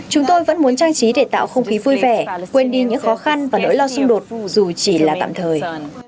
chúng tôi vẫn muốn trang trí để tạo không khí vui vẻ quên đi những khó khăn và nỗi lo xung đột dù chỉ là tạm thời